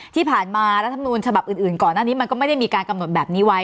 ที่ผ่านมารัฐมนูลฉบับอื่นก่อนหน้านี้มันก็ไม่ได้มีการกำหนดแบบนี้ไว้